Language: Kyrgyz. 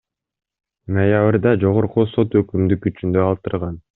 Ноябрда Жогорку сот өкүмдү күчүндө калтырган.